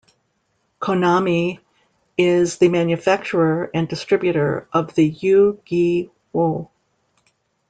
Konami is the manufacturer and distributor of the Yu-Gi-Oh!